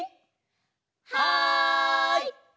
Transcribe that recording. はい！